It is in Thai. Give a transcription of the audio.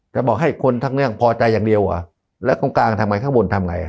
จะบอกให้คนทั้งเรื่องพอใจอย่างเดียวว่ะแล้วตรงกลางทำไมข้างบนทำไง